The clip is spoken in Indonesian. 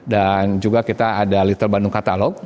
dan juga kita ada little bandung catalog